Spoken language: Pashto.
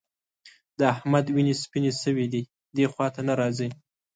د احمد وینې سپيېنې شوې دي؛ دې خوا ته نه راځي.